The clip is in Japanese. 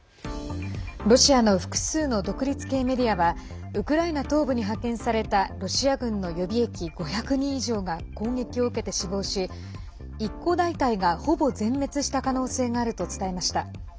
ロシアの複数の独立系メディアはウクライナ東部に派遣されたロシア軍の予備役５００人以上が攻撃を受けて死亡し、一個大隊がほぼ全滅した可能性があると伝えました。